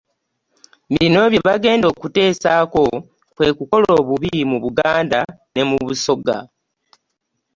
Bino bye bagenda okuteesaako kwe kukola obubi mu Buganda ne Busoga